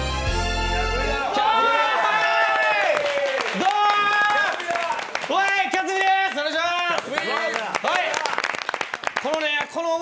どうも！